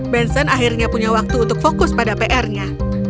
benson akhirnya punya waktu untuk fokus pada pr nya